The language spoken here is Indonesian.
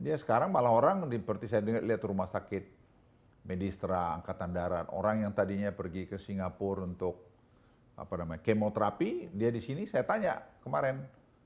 dia sekarang malah orang seperti saya lihat rumah sakit medistra angkatan darat orang yang tadinya pergi ke singapura untuk kemoterapi dia di sini saya tanya kemarin